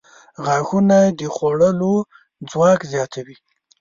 • غاښونه د خوړلو ځواک زیاتوي.